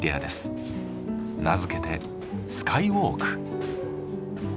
名付けてスカイウォーク。